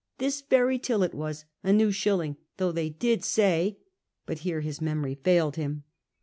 This very till it was — a new shilling. Though they did say But here his memory failed him.